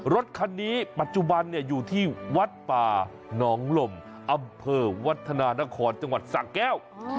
รถคันนี้ปัจจุบันอยู่ที่วัดป่าหนองลมอำเภอวัฒนานครจังหวัดสะแก้ว